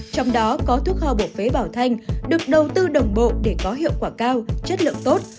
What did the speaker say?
trong đó có thuốc kho bộc phế bảo thanh được đầu tư đồng bộ để có hiệu quả cao chất lượng tốt